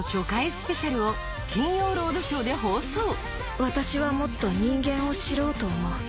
スペシャルを『金曜ロードショー』で放送私はもっと人間を知ろうと思う。